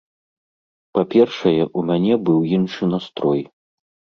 Па-першае, у мяне быў іншы настрой.